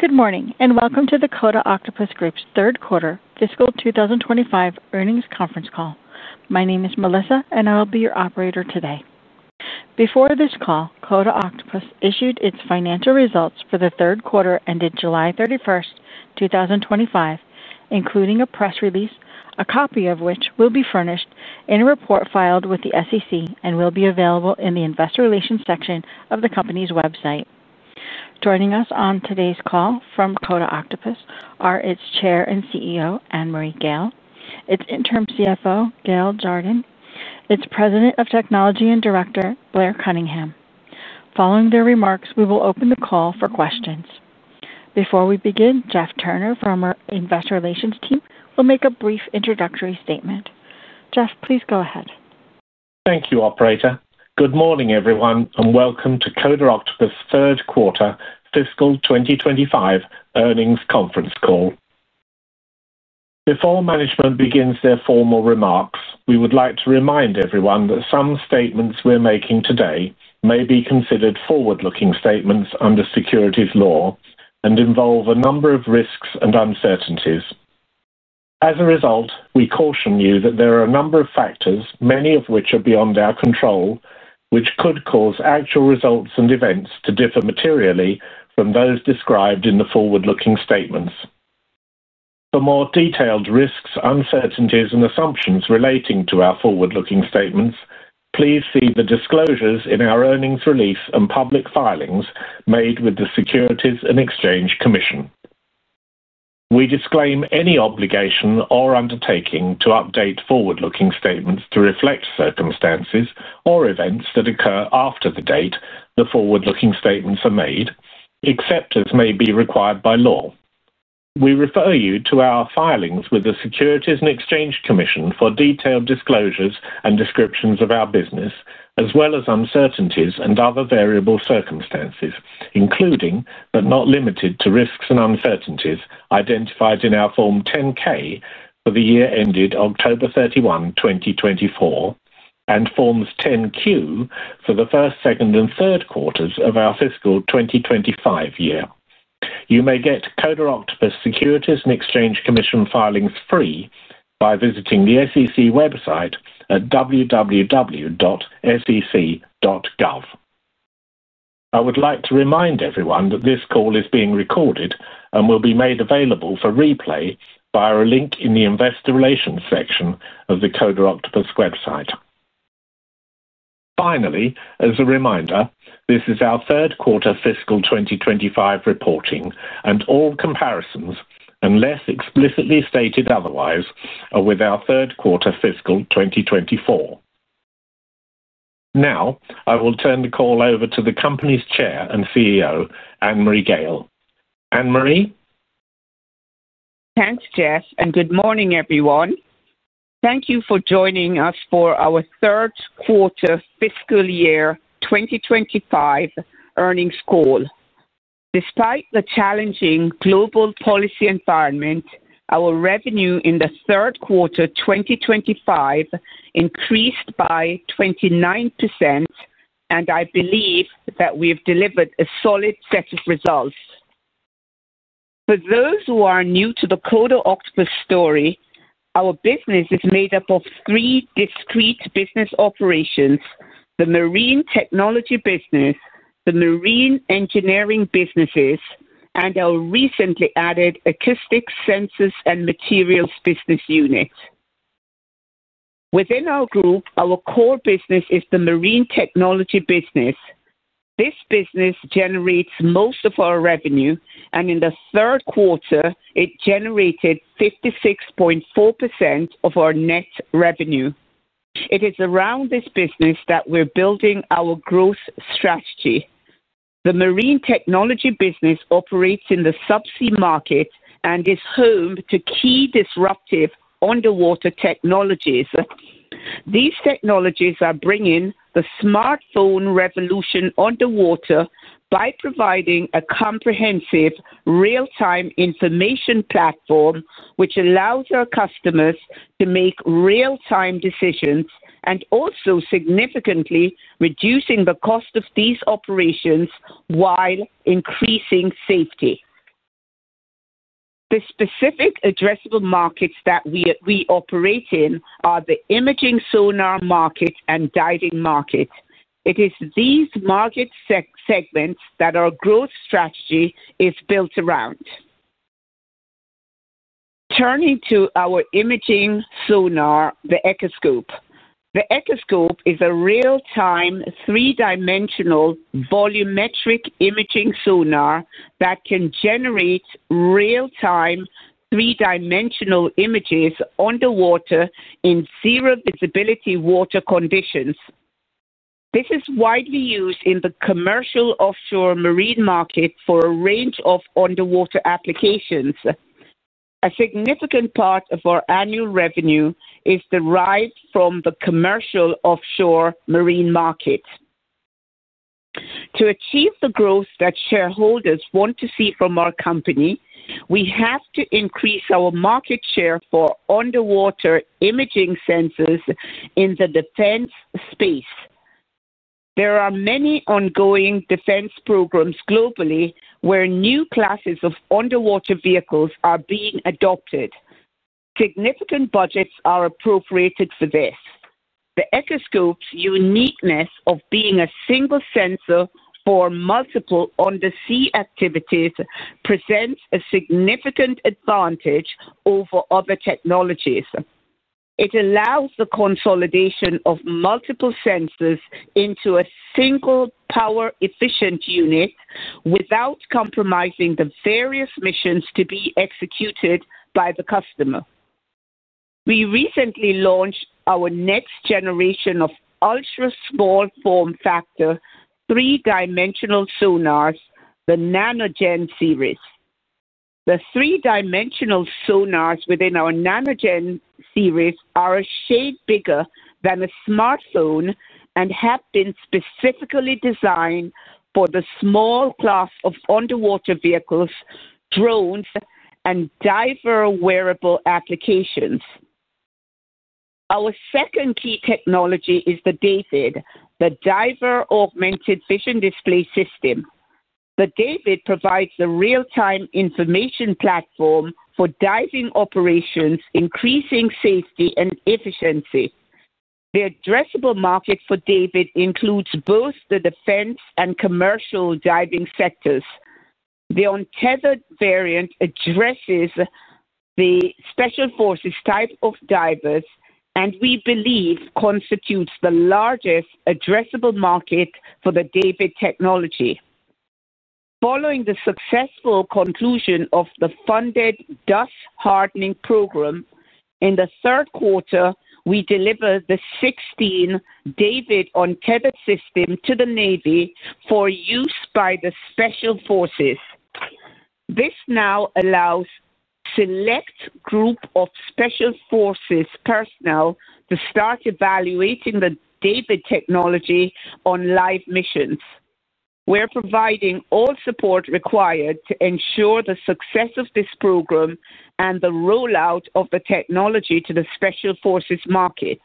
Good morning and welcome to the Coda Octopus Group's third quarter fiscal 2025 earnings conference call. My name is Melissa, and I'll be your operator today. Before this call, Coda Octopus Group issued its financial results for the third quarter ended July 31, 2025, including a press release, a copy of which will be furnished in a report filed with the SEC and will be available in the Investor Relations section of the company's website. Joining us on today's call from Coda Octopus Group are its Chair and CEO, Annmarie Gayle, its Interim CFO, Gayle Jardine, and its President of Technology and Director, Blair Cunningham. Following their remarks, we will open the call for questions. Before we begin, Geoff Turner from our Investor Relations team will make a brief introductory statement. Geoff, please go ahead. Thank you, operator. Good morning, everyone, and welcome to Coda Octopus Group's third quarter fiscal 2025 earnings conference call. Before management begins their formal remarks, we would like to remind everyone that some statements we're making today may be considered forward-looking statements under securities law and involve a number of risks and uncertainties. As a result, we caution you that there are a number of factors, many of which are beyond our control, which could cause actual results and events to differ materially from those described in the forward-looking statements. For more detailed risks, uncertainties, and assumptions relating to our forward-looking statements, please see the disclosures in our earnings release and public filings made with the Securities and Exchange Commission. We disclaim any obligation or undertaking to update forward-looking statements to reflect circumstances or events that occur after the date the forward-looking statements are made, except as may be required by law. We refer you to our filings with the Securities and Exchange Commission for detailed disclosures and descriptions of our business, as well as uncertainties and other variable circumstances, including but not limited to risks and uncertainties identified in our Form 10-K for the year ended October 31, 2024, and Forms 10-Q for the first, second, and third quarters of our fiscal 2025 year. You may get Coda Octopus Group Securities and Exchange Commission filings free by visiting the SEC website at www.sec.gov. I would like to remind everyone that this call is being recorded and will be made available for replay via a link in the Investor Relations section of the Coda Octopus Group website. Finally, as a reminder, this is our third quarter fiscal 2025 reporting, and all comparisons, unless explicitly stated otherwise, are with our third quarter fiscal 2024. Now, I will turn the call over to the company's Chair and CEO, Annmarie Gayle. Annmarie? Thanks, Geoff, and good morning, everyone. Thank you for joining us for our third quarter fiscal year 2025 earnings call. Despite the challenging global policy environment, our revenue in the third quarter 2025 increased by 29%, and I believe that we've delivered a solid set of results. For those who are new to the Coda Octopus Group story, our business is made up of three discrete business operations: the marine technology business, the marine engineering businesses, and our recently added acoustics, sensors, and materials business unit. Within our group, our core business is the marine technology business. This business generates most of our revenue, and in the third quarter, it generated 56.4% of our net revenue. It is around this business that we're building our growth strategy. The marine technology business operates in the subsea market and is home to key disruptive underwater technologies. These technologies are bringing the smartphone revolution underwater by providing a comprehensive, real-time information platform, which allows our customers to make real-time decisions and also significantly reduces the cost of these operations while increasing safety. The specific addressable markets that we operate in are the imaging sonar market and diving market. It is these market segments that our growth strategy is built around. Turning to our imaging sonar, the Echoscope. The Echoscope is a real-time, three-dimensional, volumetric imaging sonar that can generate real-time, three-dimensional images underwater in zero-visibility water conditions. This is widely used in the commercial offshore marine market for a range of underwater applications. A significant part of our annual revenue is derived from the commercial offshore marine market. To achieve the growth that shareholders want to see from our company, we have to increase our market share for underwater imaging sensors in the defense space. There are many ongoing defense programs globally where new classes of underwater vehicles are being adopted. Significant budgets are appropriated for this. The Echoscope's uniqueness of being a single sensor for multiple undersea activities presents a significant advantage over other technologies. It allows the consolidation of multiple sensors into a single power-efficient unit without compromising the various missions to be executed by the customer. We recently launched our next generation of ultra-small form factor three-dimensional sonars, the NanoGen series. The three-dimensional sonars within our NanoGen series are a shade bigger than a smartphone and have been specifically designed for the small class of underwater vehicles, drones, and diver wearable applications. Our second key technology is the DAVD, the Diver Augmented Vision Display system. The DAVD provides the real-time information platform for diving operations, increasing safety and efficiency. The addressable market for DAVD includes both the defense and commercial diving sectors. The untethered variant addresses the special forces type of divers, and we believe constitutes the largest addressable market for the DAVD technology. Following the successful conclusion of the funded DUSS Hardening Program, in the third quarter, we delivered the 16 DAVD untethered system to the U.S. Navy for use by the special forces. This now allows a select group of special forces personnel to start evaluating the DAVD technology on live missions. We're providing all support required to ensure the success of this program and the rollout of the technology to the special forces market.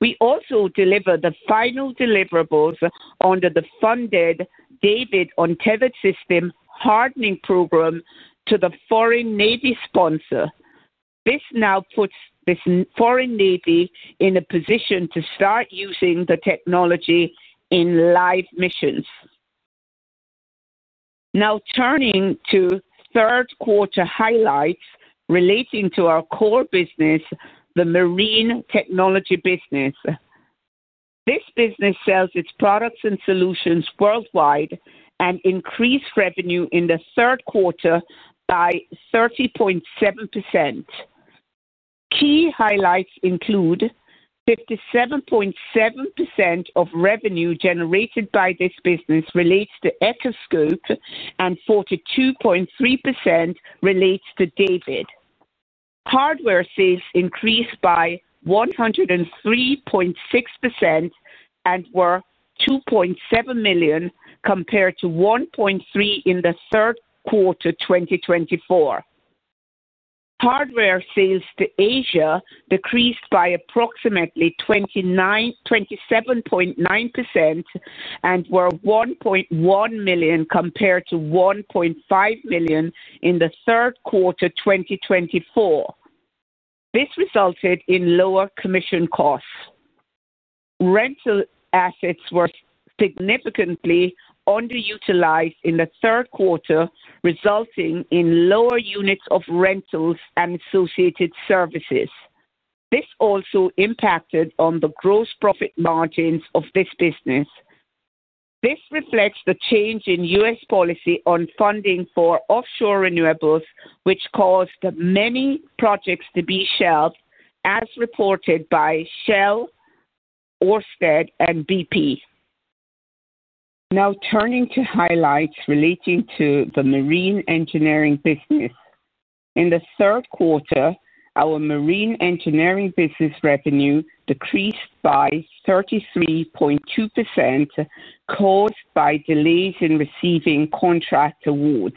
We also delivered the final deliverables under the funded DAVD untethered system hardening program to the Foreign Navy sponsor. This now puts the Foreign Navy in a position to start using the technology in live missions. Now, turning to third quarter highlights relating to our core business, the marine technology business. This business sells its products and solutions worldwide and increased revenue in the third quarter by 30.7%. Key highlights include 57.7% of revenue generated by this business relates to Echoscope, and 42.3% relates to DAVD. Hardware sales increased by 103.6% and were $2.7 million compared to $1.3 million in the third quarter 2024. Hardware sales to Asia decreased by approximately 27.9% and were $1.1 million compared to $1.5 million in the third quarter 2024. This resulted in lower commission costs. Rental assets were significantly underutilized in the third quarter, resulting in lower units of rentals and associated services. This also impacted the gross profit margins of this business. This reflects the change in U.S. policy on funding for offshore renewables, which caused many projects to be shelved, as reported by Shell, Orsted, and BP. Now, turning to highlights relating to the marine engineering business. In the third quarter, our marine engineering business revenue decreased by 33.2%, caused by delays in receiving contract awards.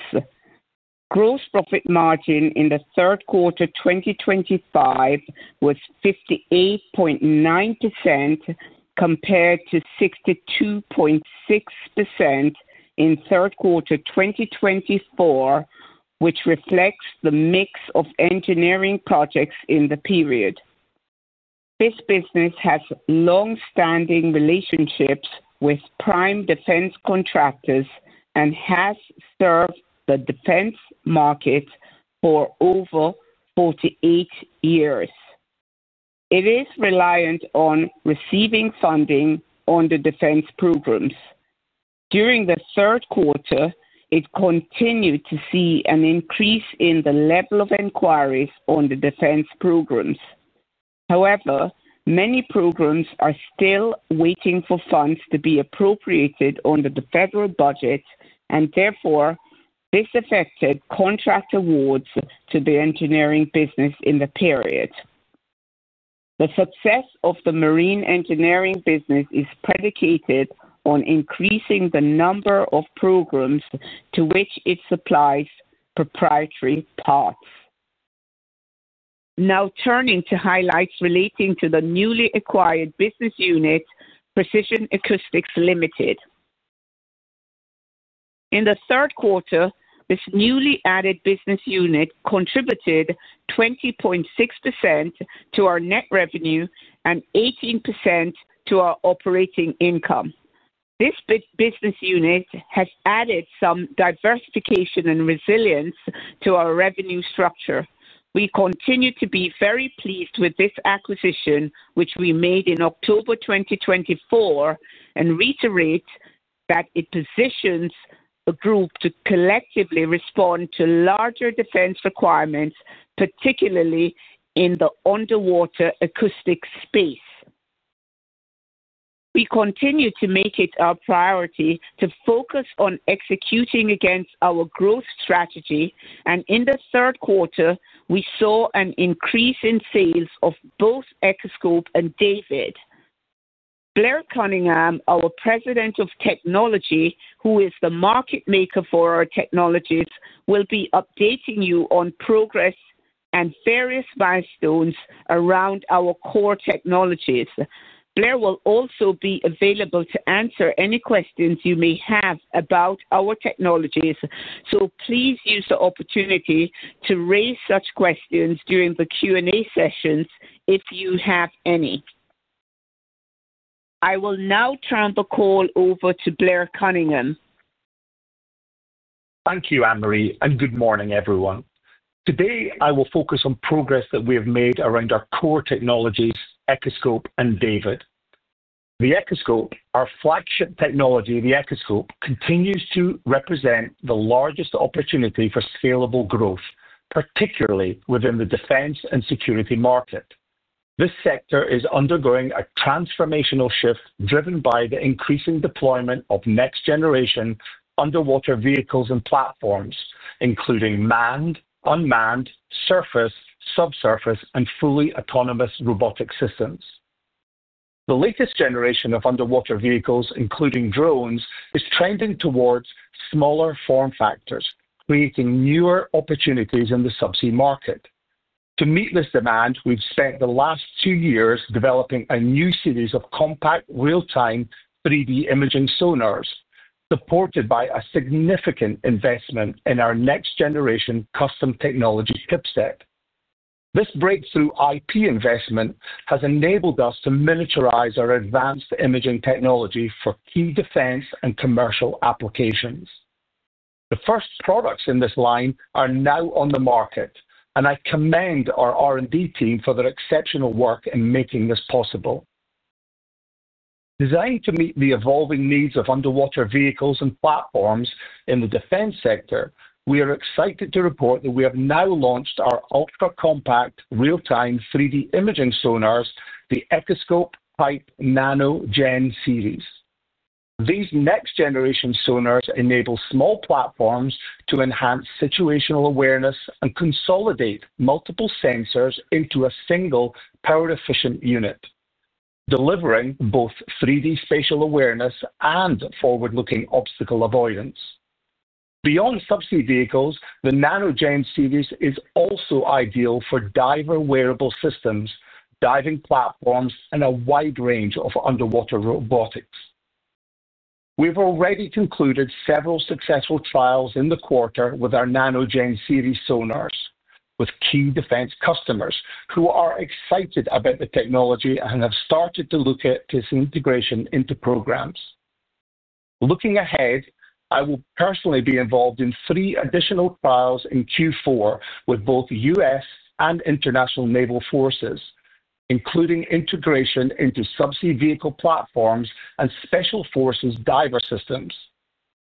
Gross profit margin in the third quarter 2025 was 58.9% compared to 62.6% in third quarter 2024, which reflects the mix of engineering projects in the period. This business has long-standing relationships with prime defense contractors and has served the defense market for over 48 years. It is reliant on receiving funding on the defense programs. During the third quarter, it continued to see an increase in the level of inquiries on the defense programs. However, many programs are still waiting for funds to be appropriated under the federal budget, and therefore, this affected contract awards to the engineering business in the period. The success of the marine engineering business is predicated on increasing the number of programs to which it supplies proprietary parts. Now, turning to highlights relating to the newly acquired business unit, Precision Acoustics Ltd. In the third quarter, this newly added business unit contributed 20.6% to our net revenue and 18% to our operating income. This business unit has added some diversification and resilience to our revenue structure. We continue to be very pleased with this acquisition, which we made in October 2024, and reiterate that it positions the group to collectively respond to larger defense requirements, particularly in the underwater acoustics space. We continue to make it our priority to focus on executing against our growth strategy, and in the third quarter, we saw an increase in sales of both Echoscope and DAVD. Blair Cunningham, our President of Technology, who is the market maker for our technologies, will be updating you on progress and various milestones around our core technologies. Blair will also be available to answer any questions you may have about our technologies, so please use the opportunity to raise such questions during the Q&A sessions if you have any. I will now turn the call over to Blair Cunningham. Thank you, Annmarie, and good morning, everyone. Today, I will focus on progress that we have made around our core technologies, Echoscope and DAVD. The Echoscope, our flagship technology, continues to represent the largest opportunity for scalable growth, particularly within the defense and security market. This sector is undergoing a transformational shift driven by the increasing deployment of next-generation underwater vehicles and platforms, including manned, unmanned, surface, subsurface, and fully autonomous robotic systems. The latest generation of underwater vehicles, including drones, is trending towards smaller form factors, creating newer opportunities in the subsea market. To meet this demand, we've spent the last two years developing a new series of compact, real-time, 3D imaging sonars, supported by a significant investment in our next-generation custom technology chipset. This breakthrough IP investment has enabled us to militarize our advanced imaging technology for key defense and commercial applications. The first products in this line are now on the market, and I commend our R&D team for their exceptional work in making this possible. Designed to meet the evolving needs of underwater vehicles and platforms in the defense sector, we are excited to report that we have now launched our ultra-compact, real-time, 3D imaging sonars, the Echoscope Type Nano Gen series. These next-generation sonars enable small platforms to enhance situational awareness and consolidate multiple sensors into a single power-efficient unit, delivering both 3D spatial awareness and forward-looking obstacle avoidance. Beyond subsea vehicles, the Nano Gen series is also ideal for diver wearable systems, diving platforms, and a wide range of underwater robotics. We've already concluded several successful trials in the quarter with our Nano Gen series sonars with key defense customers who are excited about the technology and have started to look at this integration into programs. Looking ahead, I will personally be involved in three additional trials in Q4 with both U.S. and international naval forces, including integration into subsea vehicle platforms and special forces diver systems.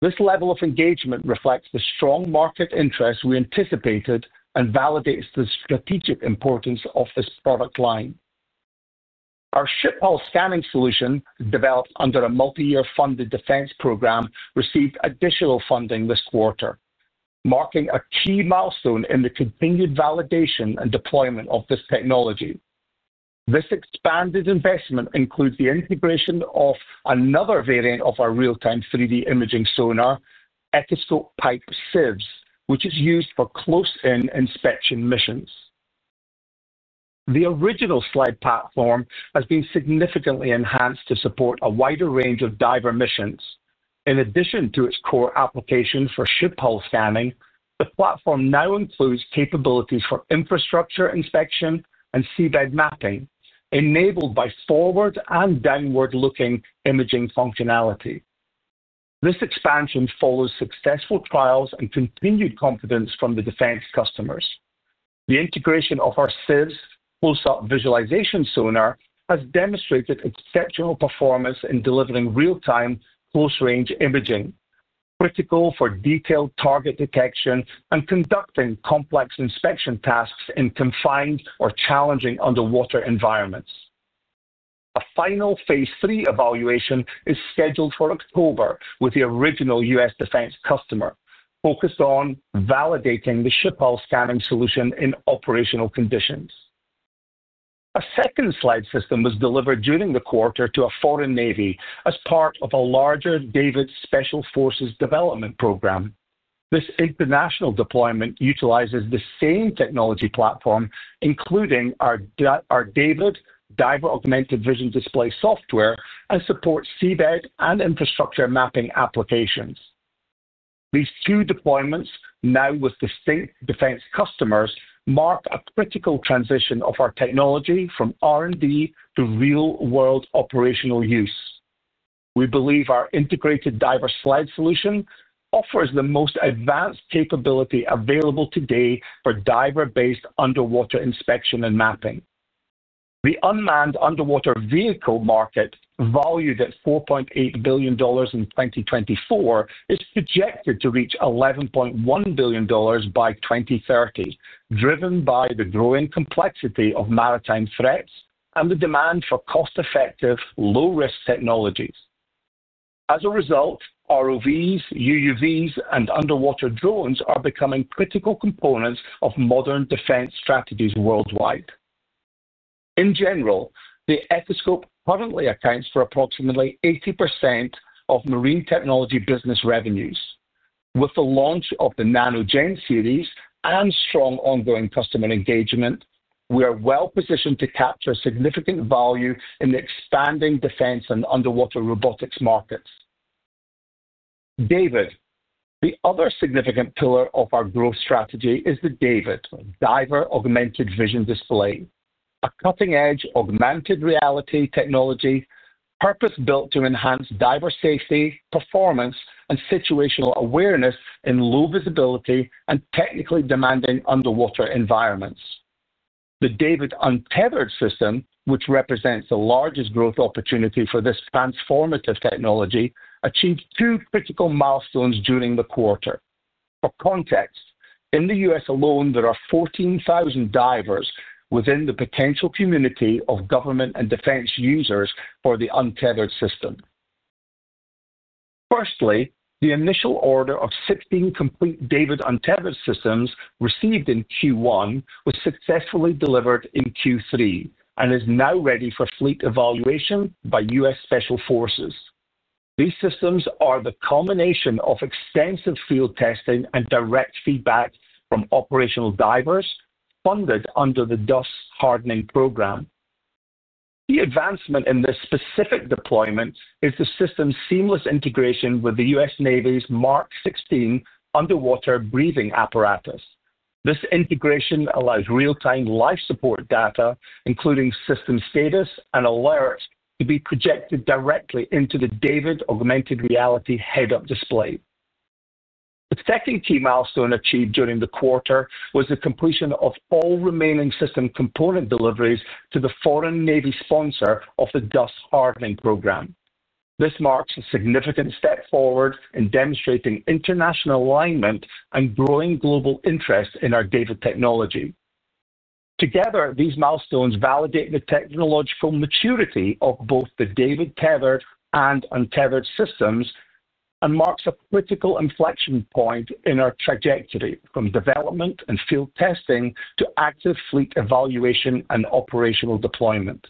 This level of engagement reflects the strong market interest we anticipated and validates the strategic importance of this product line. Our ship hull scanning solution, developed under a multi-year funded defense program, received additional funding this quarter, marking a key milestone in the continued validation and deployment of this technology. This expanded investment includes the integration of another variant of our real-time 3D imaging sonar, Echoscope Type SIBS, which is used for close-in inspection missions. The original SLIDE platform has been significantly enhanced to support a wider range of diver missions. In addition to its core applications for ship hull scanning, the platform now includes capabilities for infrastructure inspection and seabed mapping, enabled by forward and downward-looking imaging functionality. This expansion follows successful trials and continued confidence from the defense customers. The integration of our SIBS close-up visualization sonar has demonstrated exceptional performance in delivering real-time close-range imaging, critical for detailed target detection and conducting complex inspection tasks in confined or challenging underwater environments. A final phase three evaluation is scheduled for October with the original U.S. defense customer, focused on validating the ship hull scanning solution in operational conditions. A second SLIDE system was delivered during the quarter to a foreign navy as part of a larger DAVD special forces development program. This international deployment utilizes the same technology platform, including our DAVD Diver Augmented Vision Display software, and supports seabed and infrastructure mapping applications. These two deployments, now with distinct defense customers, mark a critical transition of our technology from R&D to real-world operational use. We believe our integrated diver SLIDE solution offers the most advanced capability available today for diver-based underwater inspection and mapping. The unmanned underwater vehicle market, valued at $4.8 billion in 2024, is projected to reach $11.1 billion by 2030, driven by the growing complexity of maritime threats and the demand for cost-effective, low-risk technologies. As a result, ROVs, UUVs, and underwater drones are becoming critical components of modern defense strategies worldwide. In general, the Echoscope currently accounts for approximately 80% of marine technology business revenues. With the launch of the NanoGen series and strong ongoing customer engagement, we are well positioned to capture significant value in the expanding defense and underwater robotics markets. DAVD, the other significant pillar of our growth strategy, is the Diver Augmented Vision Display, a cutting-edge augmented reality technology, purpose-built to enhance diver safety, performance, and situational awareness in low visibility and technically demanding underwater environments. The DAVD untethered system, which represents the largest growth opportunity for this transformative technology, achieved two critical milestones during the quarter. For context, in the U.S. alone, there are 14,000 divers within the potential community of government and defense users for the untethered system. Firstly, the initial order of 16 complete DAVD untethered systems received in Q1 was successfully delivered in Q3 and is now ready for fleet evaluation by U.S. special forces. These systems are the culmination of extensive field testing and direct feedback from operational divers funded under the DUSS Hardening Program. The advancement in this specific deployment is the system's seamless integration with the U.S. Navy's MARC 16 underwater briefing apparatus. This integration allows real-time life support data, including system status and alerts, to be projected directly into the DAVD augmented reality head-up display. The second key milestone achieved during the quarter was the completion of all remaining system component deliveries to the foreign navy sponsor of the DUSS Hardening Program. This marks a significant step forward in demonstrating international alignment and growing global interest in our DAVD technology. Together, these milestones validate the technological maturity of both the DAVD tethered and untethered systems and mark a critical inflection point in our trajectory from development and field testing to active fleet evaluation and operational deployment.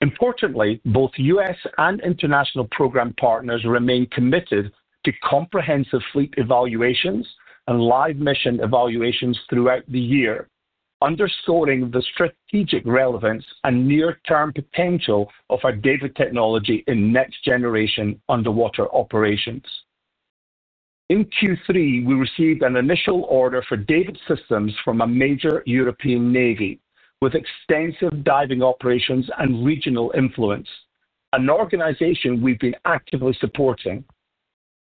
Importantly, both U.S. and international program partners remain committed to comprehensive fleet evaluations and live mission evaluations throughout the year, underscoring the strategic relevance and near-term potential of our DAVD technology in next-generation underwater operations. In Q3, we received an initial order for DAVD systems from a major European navy with extensive diving operations and regional influence, an organization we've been actively supporting.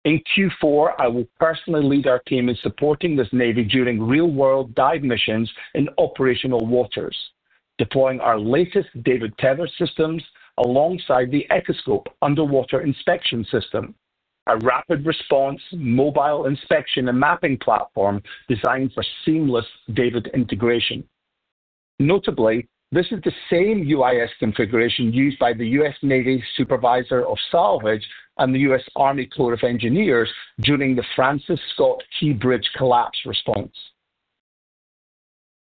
In Q4, I will personally lead our team in supporting this navy during real-world dive missions in operational waters, deploying our latest DAVD tethered systems alongside the Echoscope underwater inspection system, a rapid response, mobile inspection and mapping platform designed for seamless DAVD integration. Notably, this is the same UIS configuration used by the U.S. Navy Supervisor of Salvage and the U.S. Army Corps of Engineers during the Francis Scott Key Bridge collapse response.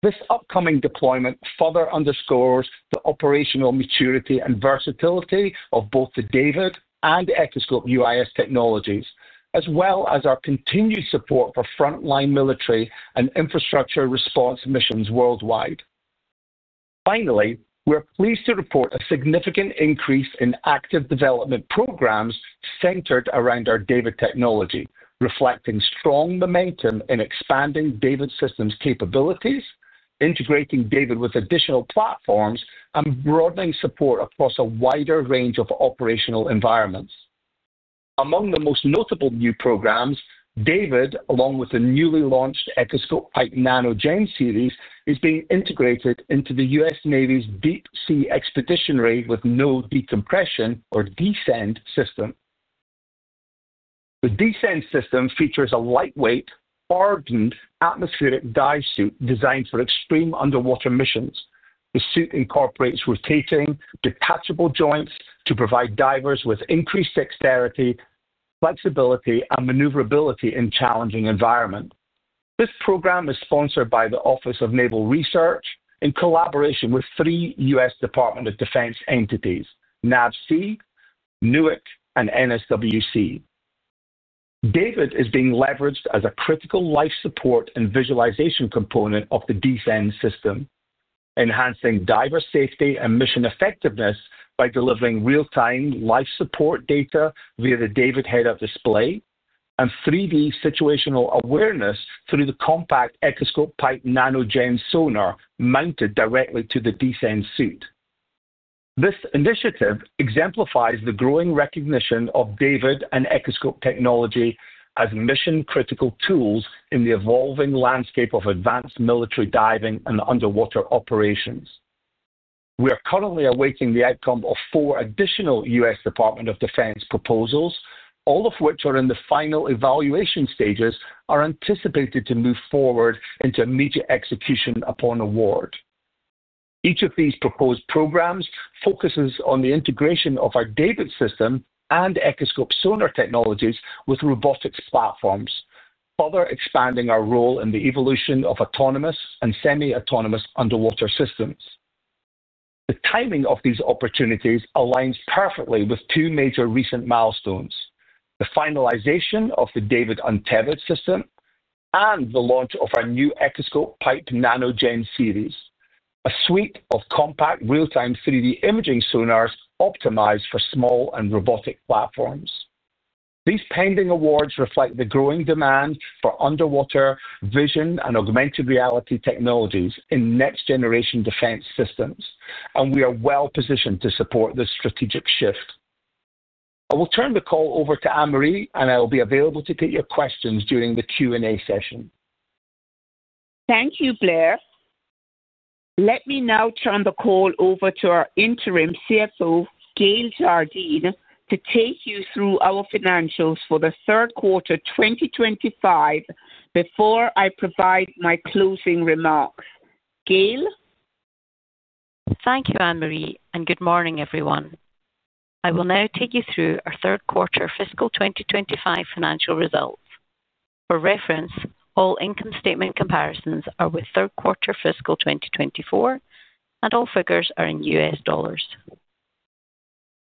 This upcoming deployment further underscores the operational maturity and versatility of both the DAVD and Echoscope UIS technologies, as well as our continued support for frontline military and infrastructure response missions worldwide. Finally, we're pleased to report a significant increase in active development programs centered around our DAVD technology, reflecting strong momentum in expanding DAVD systems capabilities, integrating DAVD with additional platforms, and broadening support across a wider range of operational environments. Among the most notable new programs, DAVD, along with the newly launched Echoscope Type Nano Gen series, is being integrated into the U.S. Navy's Deep Sea Expeditionary with Node Decompression or DCEND system. The DCEND system features a lightweight, hardened atmospheric dive suit designed for extreme underwater missions. The suit incorporates rotating, detachable joints to provide divers with increased dexterity, flexibility, and maneuverability in challenging environments. This program is sponsored by the Office of Naval Research in collaboration with three U.S. Department of Defense entities: NAVSEA, NUIC, and NSWC. DAVD is being leveraged as a critical life support and visualization component of the DCEND system, enhancing diver safety and mission effectiveness by delivering real-time life support data via the DAVD head-up display and 3D situational awareness through the compact Echoscope Type Nano Gen sonar mounted directly to the DCEND suit. This initiative exemplifies the growing recognition of DAVD and Echoscope technology as mission-critical tools in the evolving landscape of advanced military diving and underwater operations. We are currently awaiting the outcome of four additional U.S. Department of Defense proposals, all of which are in the final evaluation stages and are anticipated to move forward into immediate execution upon award. Each of these proposed programs focuses on the integration of our DAVD system and Echoscope sonar technologies with robotics platforms, further expanding our role in the evolution of autonomous and semi-autonomous underwater systems. The timing of these opportunities aligns perfectly with two major recent milestones: the finalization of the DAVD untethered system and the launch of our new Echoscope Type NanoGen series, a suite of compact, real-time 3D imaging sonars optimized for small and robotic platforms. These pending awards reflect the growing demand for underwater vision and augmented reality technologies in next-generation defense systems, and we are well positioned to support this strategic shift. I will turn the call over to Annmarie, and I'll be available to take your questions during the Q&A session. Thank you, Blair. Let me now turn the call over to our Interim CFO, Gayle Jardine, to take you through our financials for the third quarter 2025 before I provide my closing remarks. Gayle? Thank you, Annmarie, and good morning, everyone. I will now take you through our third quarter fiscal 2025 financial results. For reference, all income statement comparisons are with third quarter fiscal 2024, and all figures are in U.S. dollars.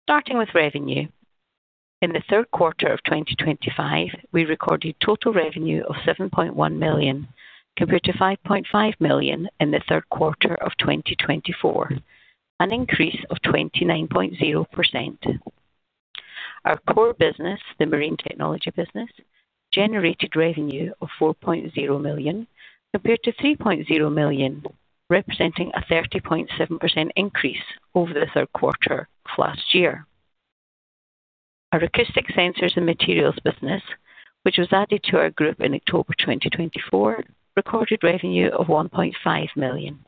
Starting with revenue, in the third quarter of 2025, we recorded total revenue of $7.1 million compared to $5.5 million in the third quarter of 2024, an increase of 29.0%. Our core business, the marine technology business, generated revenue of $4.0 million compared to $3.0 million, representing a 30.7% increase over the third quarter of last year. Our acoustic sensors and materials business, which was added to our group in October 2024, recorded revenue of $1.5 million.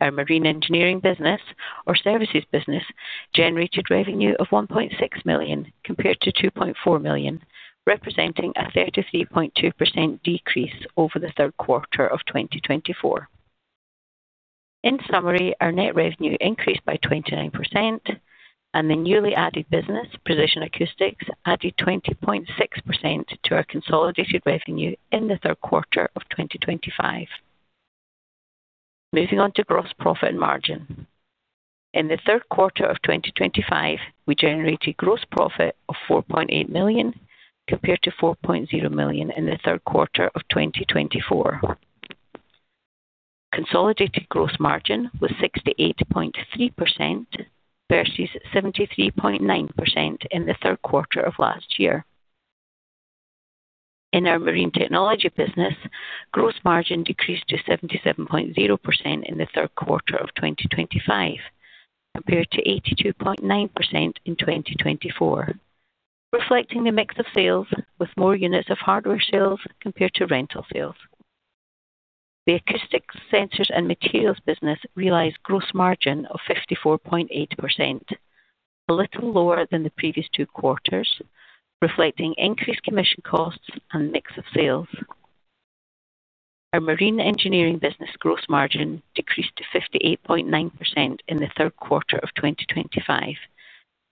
Our marine engineering business, or services business, generated revenue of $1.6 million compared to $2.4 million, representing a 33.2% decrease over the third quarter of 2024. In summary, our net revenue increased by 29%, and the newly added business, Precision Acoustics, added 20.6% to our consolidated revenue in the third quarter of 2025. Moving on to gross profit and margin. In the third quarter of 2025, we generated gross profit of $4.8 million compared to $4.0 million in the third quarter of 2024. Consolidated gross margin was 68.3% versus 73.9% in the third quarter of last year. In our marine technology business, gross margin decreased to 77.0% in the third quarter of 2025, compared to 82.9% in 2024, reflecting a mix of sales with more units of hardware sales compared to rental sales. The acoustic sensors and materials business realized a gross margin of 54.8%, a little lower than the previous two quarters, reflecting increased commission costs and a mix of sales. Our marine engineering business gross margin decreased to 58.9% in the third quarter of 2025,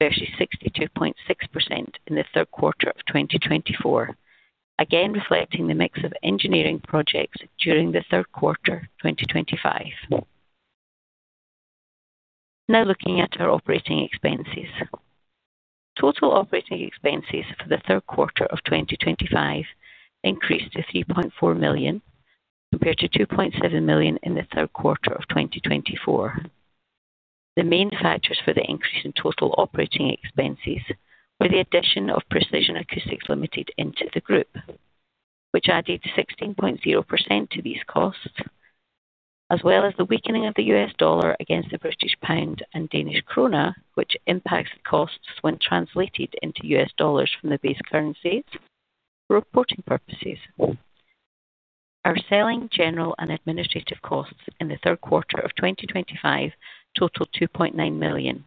versus 62.6% in the third quarter of 2024, again reflecting the mix of engineering projects during the third quarter of 2025. Now looking at our operating expenses. Total operating expenses for the third quarter of 2025 increased to $3.4 million compared to $2.7 million in the third quarter of 2024. The main factors for the increase in total operating expenses were the addition of Precision Acoustics Ltd into the group, which added 16.0% to these costs, as well as the weakening of the U.S. dollar against the British pound and Danish krone, which impacts costs when translated into U.S. dollars from the base currencies for reporting purposes. Our selling, general and administrative costs in the third quarter of 2025 totaled $2.9 million,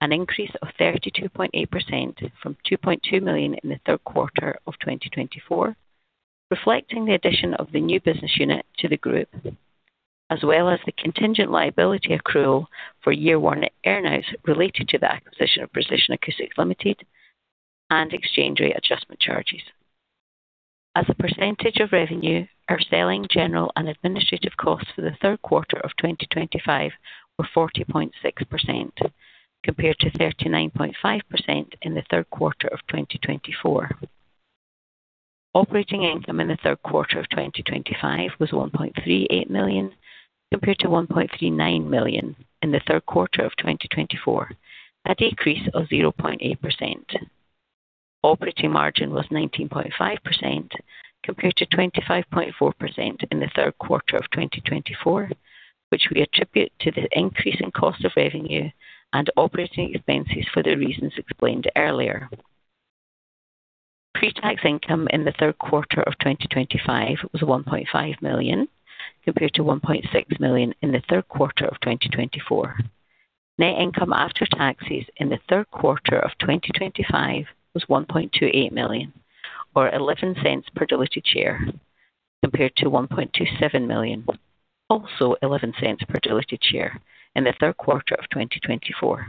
an increase of 32.8% from $2.2 million in the third quarter of 2024, reflecting the addition of the new business unit to the group, as well as the contingent liability accrual for year-one earnouts related to the acquisition of Precision Acoustics Ltd and exchange rate adjustment charges. As a percentage of revenue, our selling, general and administrative costs for the third quarter of 2025 were 40.6% compared to 39.5% in the third quarter of 2024. Operating income in the third quarter of 2025 was $1.38 million compared to $1.39 million in the third quarter of 2024, a decrease of 0.8%. Operating margin was 19.5% compared to 25.4% in the third quarter of 2024, which we attribute to the increase in cost of revenue and operating expenses for the reasons explained earlier. Pre-tax income in the third quarter of 2025 was $1.5 million compared to $1.6 million in the third quarter of 2024. Net income after taxes in the third quarter of 2025 was $1.28 million, or $0.11 per diluted share, compared to $1.27 million, also $0.11 per diluted share in the third quarter of 2024.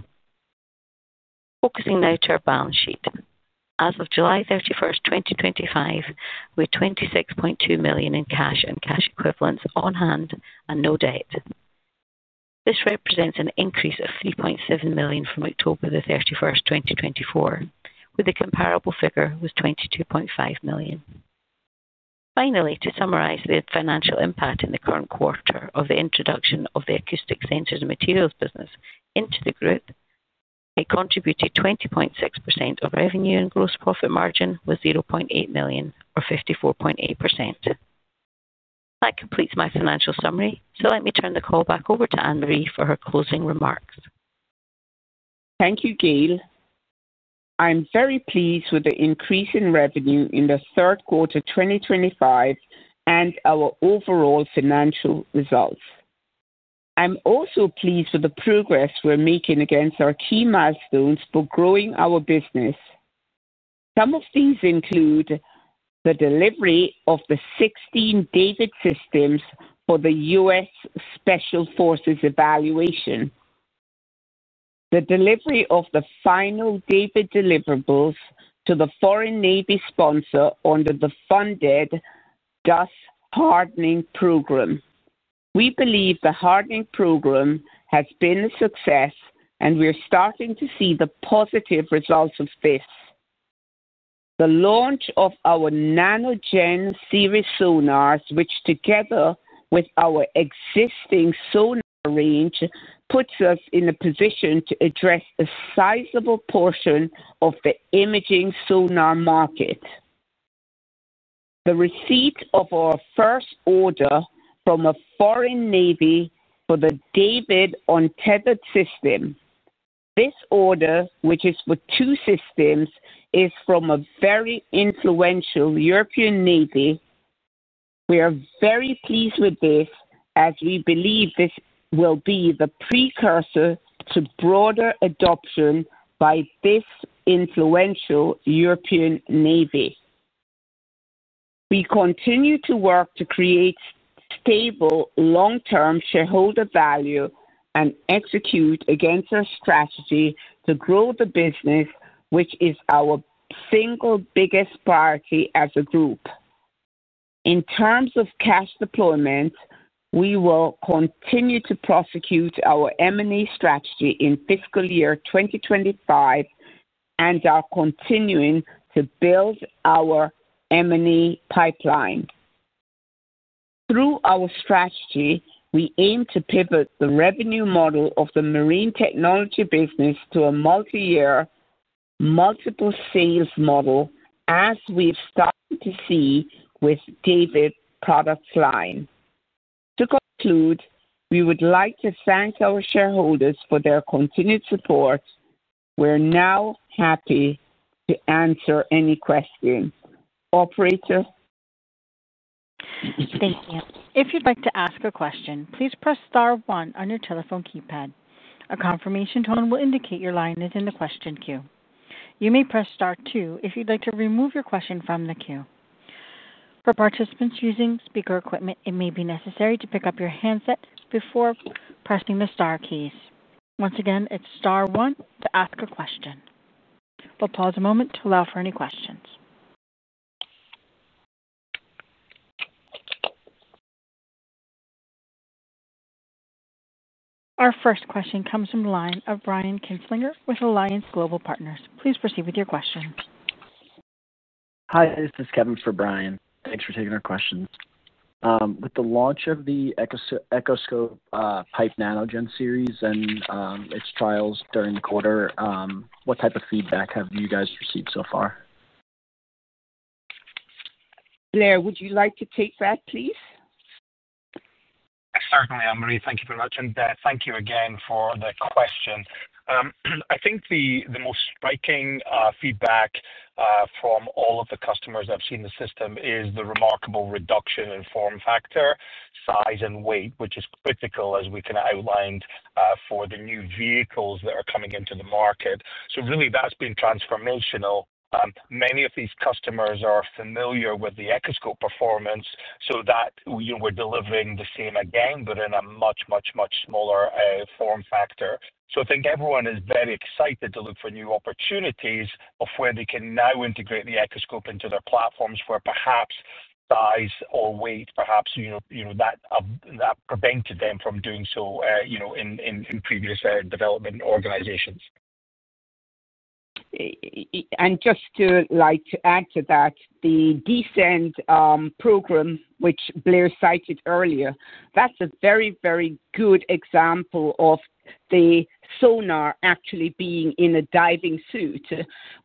Focusing now to our balance sheet. As of July 31, 2025, we had $26.2 million in cash and cash equivalents on hand and no debt. This represents an increase of $3.7 million from October 31, 2024, with a comparable figure of $22.5 million. Finally, to summarize the financial impact in the current quarter of the introduction of the acoustic sensors and materials business into the group, it contributed 20.6% of revenue and gross profit margin was $0.8 million, or 54.8%. That completes my financial summary, so let me turn the call back over to Annmarie for her closing remarks. Thank you, Gayle. I'm very pleased with the increase in revenue in the third quarter 2025 and our overall financial results. I'm also pleased with the progress we're making against our key milestones for growing our business. Some of these include the delivery of the 16 DAVD systems for the U.S. special forces evaluation, the delivery of the final DAVD deliverables to the foreign navy sponsor under the funded DUSS Hardening Program. We believe the Hardening Program has been a success, and we're starting to see the positive results of this. The launch of our NanoGen series sonars, which together with our existing sonar range, puts us in a position to address a sizable portion of the imaging sonar market. The receipt of our first order from a foreign navy for the DAVD untethered system, this order, which is for two systems, is from a very influential European navy. We are very pleased with this as we believe this will be the precursor to broader adoption by this influential European navy. We continue to work to create stable long-term shareholder value and execute against our strategy to grow the business, which is our single biggest priority as a group. In terms of cash deployment, we will continue to prosecute our M&A strategy in fiscal year 2025 and are continuing to build our M&A pipeline. Through our strategy, we aim to pivot the revenue model of the marine technology business to a multi-year, multiple sales model, as we've started to see with the DAVD product line. To conclude, we would like to thank our shareholders for their continued support. We're now happy to answer any questions. Operator? Thank you. If you'd like to ask a question, please press star one on your telephone keypad. A confirmation tone will indicate your line is in the question queue. You may press star two if you'd like to remove your question from the queue. For participants using speaker equipment, it may be necessary to pick up your handset before pressing the star keys. Once again, it's star one to ask a question. We'll pause a moment to allow for any questions. Our first question comes from the line of Brian Kinstlinger with Alliance Global Partners. Please proceed with your questions. Hi, this is Kevin for Brian. Thanks for taking our questions. With the launch of the Echoscope Type Nano Gen series and its trials during the quarter, what type of feedback have you guys received so far? Blair, would you like to take that, please? Certainly, Annmarie, thank you very much, and thank you again for the question. I think the most striking feedback from all of the customers I've seen in the system is the remarkable reduction in form factor, size, and weight, which is critical, as we kind of outlined for the new vehicles that are coming into the market. That's been transformational. Many of these customers are familiar with the Echoscope performance, so that we were delivering the same again, but in a much, much, much smaller form factor. I think everyone is very excited to look for new opportunities of where they can now integrate the Echoscope into their platforms where perhaps size or weight, perhaps, you know, that prevented them from doing so in previous development organizations. To add to that, the DCEND program, which Blair cited earlier, is a very, very good example of the sonar actually being in a diving suit.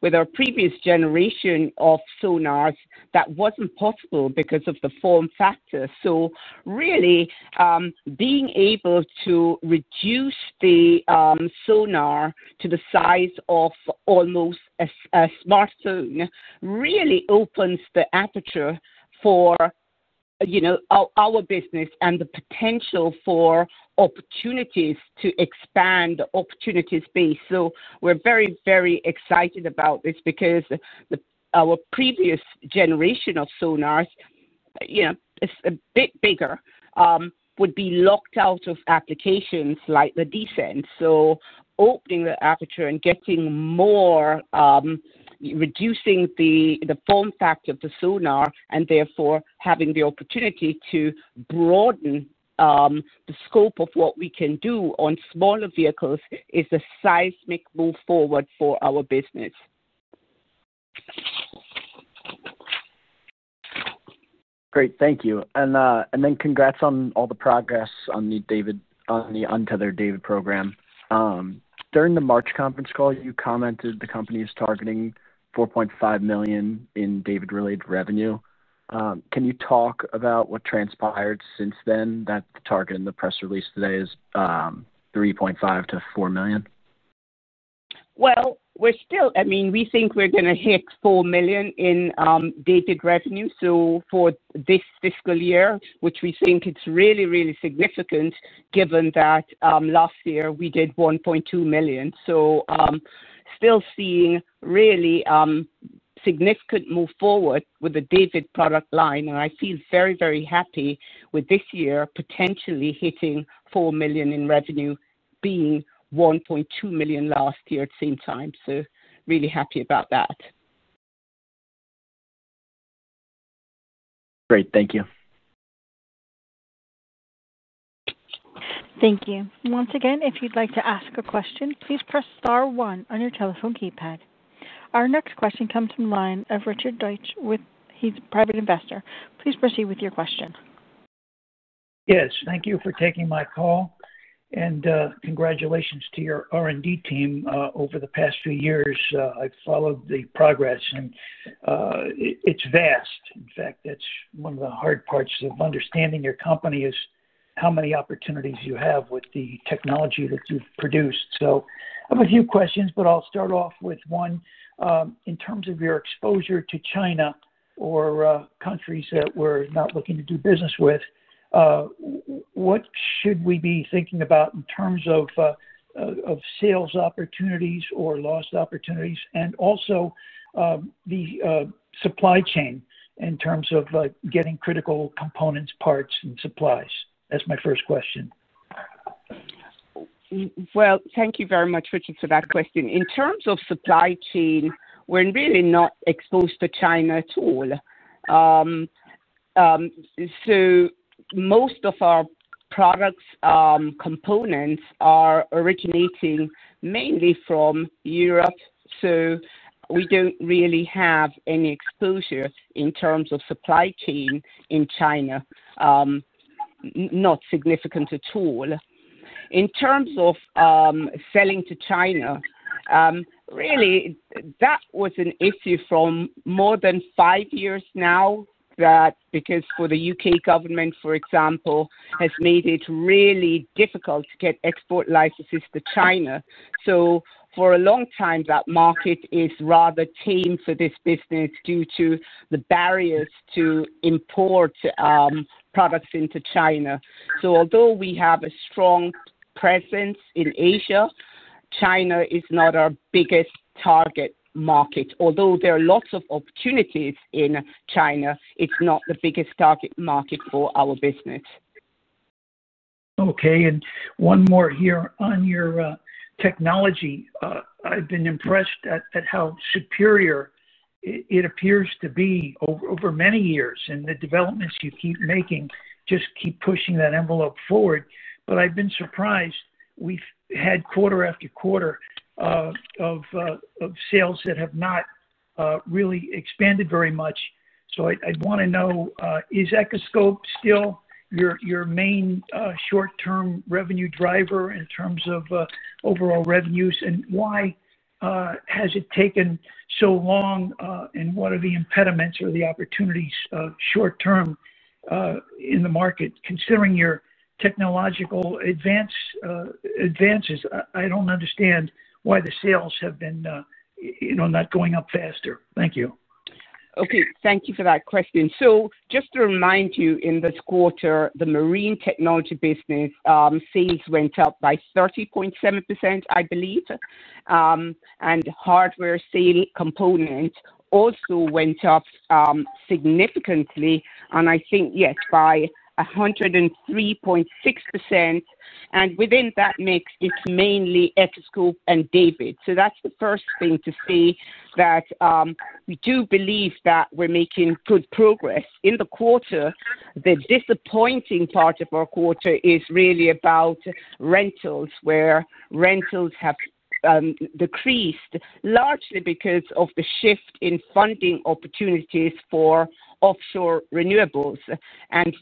With our previous generation of sonars, that wasn't possible because of the form factor. Really, being able to reduce the sonar to the size of almost a smartphone opens the aperture for our business and the potential for opportunities to expand the opportunities base. We're very, very excited about this because our previous generation of sonars, which is a bit bigger, would be locked out of applications like the DCEND. Opening the aperture and reducing the form factor of the sonar, and therefore having the opportunity to broaden the scope of what we can do on smaller vehicles, is a seismic move forward for our business. Great, thank you. Congratulations on all the progress on the DAVD, on the untethered DAVD program. During the March conference call, you commented the company is targeting $4.5 million in DAVD-related revenue. Can you talk about what transpired since then that the target in the press release today is $3.5-$4 million? We think we're going to hit $4 million in DAVD revenue for this fiscal year, which we think is really, really significant given that last year we did $1.2 million. Still seeing really significant move forward with the DAVD product line, and I feel very, very happy with this year potentially hitting $4 million in revenue, being $1.2 million last year at the same time. Really happy about that. Great, thank you. Thank you. Once again, if you'd like to ask a question, please press star one on your telephone keypad. Our next question comes from the line of Richard Deitch, he's a private investor. Please proceed with your question. Yes, thank you for taking my call, and congratulations to your R&D team over the past few years. I followed the progress, and it's vast. In fact, that's one of the hard parts of understanding your company is how many opportunities you have with the technology that you've produced. I have a few questions, but I'll start off with one. In terms of your exposure to China or countries that we're not looking to do business with, what should we be thinking about in terms of sales opportunities or lost opportunities? Also, the supply chain in terms of getting critical components, parts, and supplies? That's my first question. Thank you very much, Richard, for that question. In terms of supply chain, we're really not exposed to China at all. Most of our products, components are originating mainly from Europe, so we don't really have any exposure in terms of supply chain in China, not significant at all. In terms of selling to China, that was an issue for more than five years now, because the UK government, for example, has made it really difficult to get export licenses to China. For a long time, that market is rather tame for this business due to the barriers to import products into China. Although we have a strong presence in Asia, China is not our biggest target market. Although there are lots of opportunities in China, it's not the biggest target market for our business. Okay, and one more here on your technology. I've been impressed at how superior it appears to be over many years, and the developments you keep making just keep pushing that envelope forward. I've been surprised. We've had quarter after quarter of sales that have not really expanded very much. I'd want to know, is Echoscope still your main short-term revenue driver in terms of overall revenues, and why has it taken so long, and what are the impediments or the opportunities short-term in the market considering your technological advances? I don't understand why the sales have been not going up faster. Thank you. Okay, thank you for that question. Just to remind you, in this quarter, the marine technology business sales went up by 30.7%, I believe, and hardware sale components also went up significantly, I think, yes, by 103.6%. Within that mix, it's mainly Echoscope and DAVD. That's the first thing to say, that we do believe that we're making good progress. In the quarter, the disappointing part of our quarter is really about rentals, where rentals have decreased largely because of the shift in funding opportunities for offshore renewables.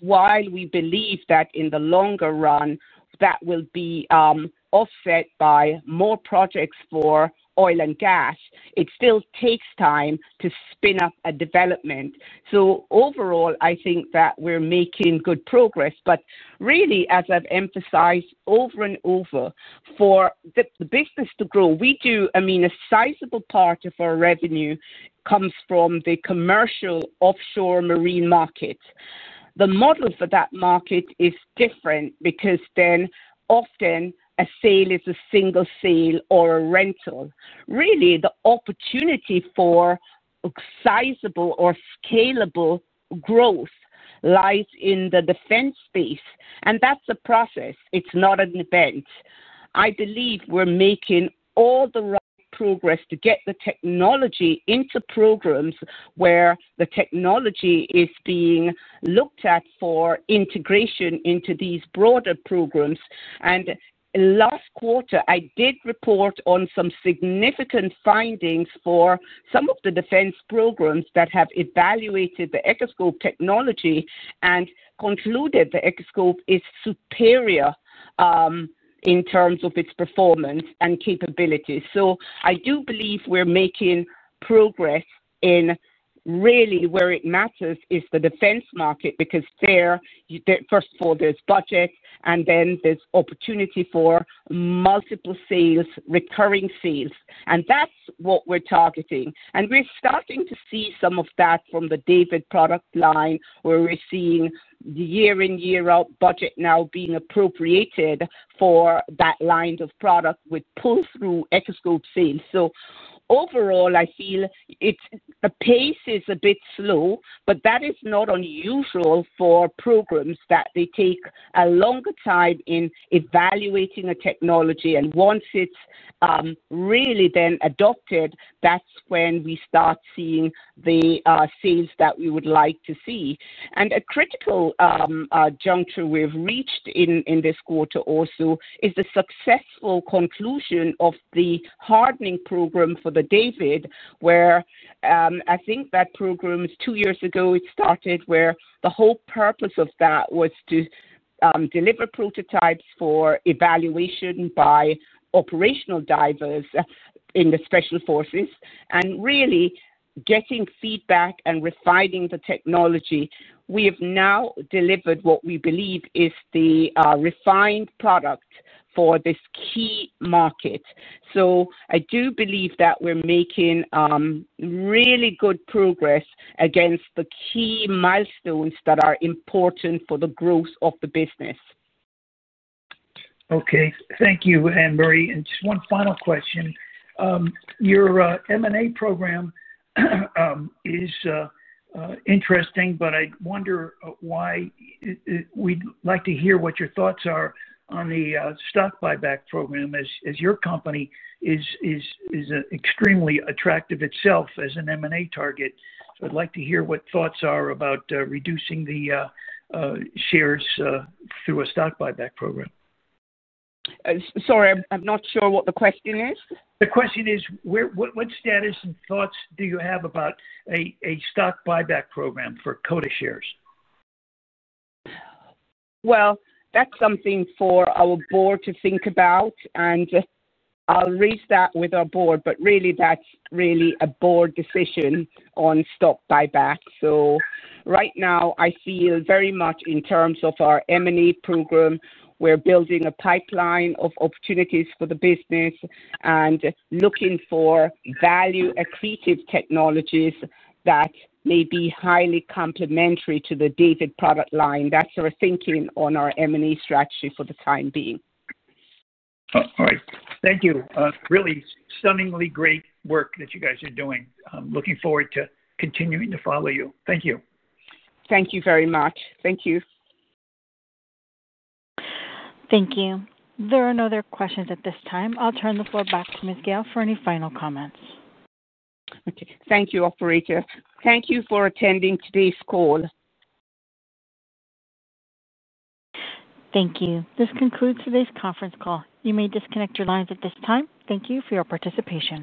While we believe that in the longer run, that will be offset by more projects for oil and gas, it still takes time to spin up a development. Overall, I think that we're making good progress. As I've emphasized over and over, for the business to grow, a sizable part of our revenue comes from the commercial offshore marine market. The model for that market is different because often a sale is a single sale or a rental. Really, the opportunity for sizable or scalable growth lies in the defense space, and that's a process. It's not an event. I believe we're making all the right progress to get the technology into programs where the technology is being looked at for integration into these broader programs. Last quarter, I did report on some significant findings for some of the defense programs that have evaluated the Echoscope technology and concluded the Echoscope is superior in terms of its performance and capabilities. I do believe we're making progress, and really where it matters is the defense market because there, first of all, there's budget, and then there's opportunity for multiple sales, recurring sales, and that's what we're targeting. We're starting to see some of that from the DAVD product line where we're seeing the year-in, year-out budget now being appropriated for that line of product with pull-through Echoscope sales. Overall, I feel the pace is a bit slow, but that is not unusual for programs that take a longer time in evaluating a technology, and once it's really then adopted, that's when we start seeing the sales that we would like to see. A critical juncture we've reached in this quarter also is the successful conclusion of the hardening program for the DAVD, where I think that program was two years ago. It started where the whole purpose of that was to deliver prototypes for evaluation by operational divers in the special forces and really getting feedback and refining the technology. We have now delivered what we believe is the refined product for this key market. I do believe that we're making really good progress against the key milestones that are important for the growth of the business. Okay, thank you, Annmarie. Just one final question. Your M&A program is interesting, but I wonder why we'd like to hear what your thoughts are on the stock buyback program, as your company is extremely attractive itself as an M&A target. I'd like to hear what thoughts are about reducing the shares through a stock buyback program. Sorry, I'm not sure what the question is. The question is, what status and thoughts do you have about a stock buyback program for Coda shares? That's something for our board to think about, and I'll raise that with our board. That's really a board decision on stock buyback. Right now, I feel very much in terms of our M&A program, we're building a pipeline of opportunities for the business and looking for value-accretive technologies that may be highly complementary to the DAVID product line. That's our thinking on our M&A strategy for the time being. All right. Thank you. Really, stunningly great work that you guys are doing. I'm looking forward to continuing to follow you. Thank you. Thank you very much. Thank you. Thank you. There are no other questions at this time. I'll turn the floor back to Ms. Gayle for any final comments. Okay. Thank you, operator. Thank you for attending today's call. Thank you. This concludes today's conference call. You may disconnect your lines at this time. Thank you for your participation.